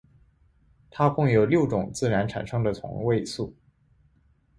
它共有六种自然产生的同位素。